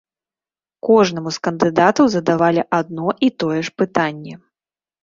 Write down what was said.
Кожнаму з кандыдатаў задавалі адно і тое ж пытанне.